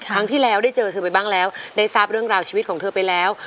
ครั้งที่แล้วได้เจอเธอไปบ้างแล้วได้ทราบเรื่องราวชีวิตของเธอไปแล้ว